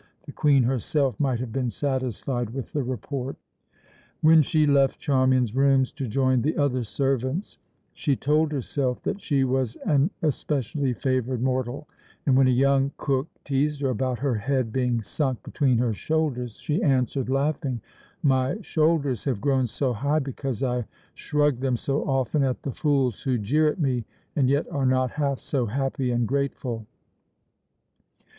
The Queen herself might have been satisfied with the report. When she left Charmian's rooms to join the other servants, she told herself that she was an especially favoured mortal; and when a young cook teased her about her head being sunk between her shoulders, she answered, laughing: "My shoulders have grown so high because I shrug them so often at the fools who jeer at me and yet are not half so happy and grateful."